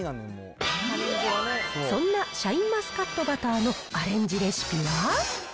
そんなシャインマスカットバターのアレンジレシピは。